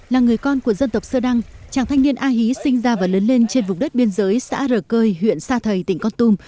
là người con của dân tộc sơ đăng chàng thanh niên a hí sinh ra và lớn lên trên vùng đất biên giới xã r cơi huyện sa thầy tỉnh con tum